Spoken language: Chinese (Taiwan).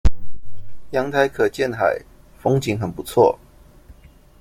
陽台可見海，風景很不錯